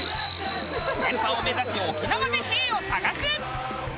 連覇を目指し沖縄で「へぇ」を探す。